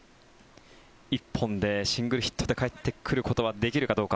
１本でシングルヒットでかえってくることはできるかどうか。